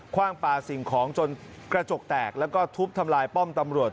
ขว้างปารี่สิ่งของจนกระจกแตกและทุบทำลายป้อมตำรวจ